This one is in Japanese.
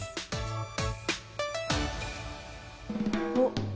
おっ。